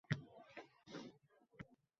Faqat bunga imkon yo'q edi.